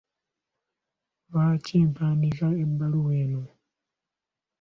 Lwaki mpandiika ebbaluwa eno?